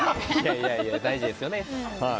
いやいや、大事ですよね。